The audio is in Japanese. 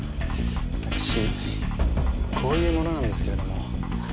わたくしこういう者なんですけれども。